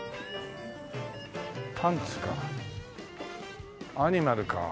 パンツかアニマルか。